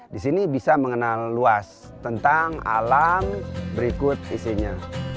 di sini bisa mengenal luas tentang alam berikut isinya